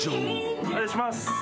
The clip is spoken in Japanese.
お願いします。